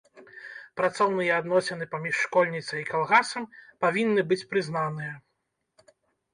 Працоўныя адносіны паміж школьніцай і калгасам павінны быць прызнаныя.